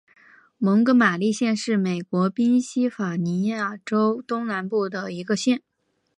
蒙哥马利县是美国宾夕法尼亚州东南部的一个县。